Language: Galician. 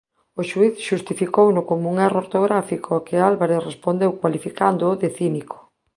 O xuíz xustificouno como un erro ortográfico ao que Álvarez respondeu cualificándoo de cínico.